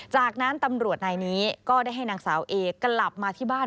จากนั้นตำรวจนายนี้ก็ได้ให้นางสาวเอกลับมาที่บ้าน